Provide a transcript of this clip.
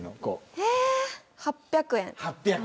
えー、８００円。